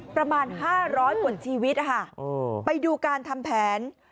ประมาณห้าร้อยคนชีวิตอะฮะโอ้ยไปดูการทำแผน